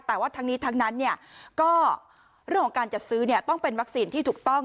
แต่ว่าทั้งนี้ทั้งนั้นก็เรื่องของการจัดซื้อต้องเป็นวัคซีนที่ถูกต้อง